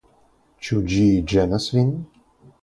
Ĉu ĝi ĝenas vin?